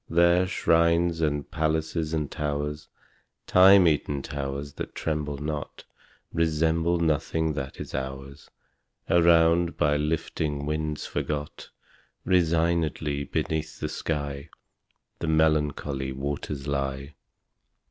There shrines and palaces and towers (Time eaten towers that tremble not!) Resemble nothing that is ours. Around, by lifting winds forgot, Resignedly beneath the sky The melancholy waters lie.